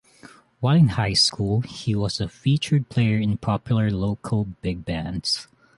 While in high school, he was a featured player in popular local big bands.